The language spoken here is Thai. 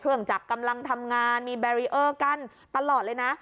เครื่องจักรกำลังทำงานมีตลอดเลยนะ